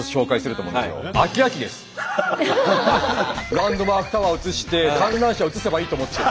ランドマークタワーを映して観覧車を映せばいいと思ってる。